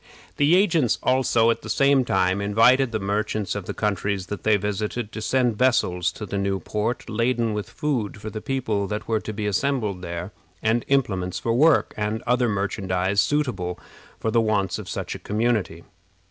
The agents also, at the same time, invited the merchants of the countries that they visited to send vessels to the new port, laden with food for the people that were to be assembled there, and implements for work, and other merchandise suitable for the wants of such a community.